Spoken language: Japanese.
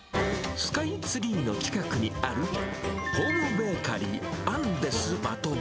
スカイツリーの近くにある、ホームベーカリー、あんですマトバ。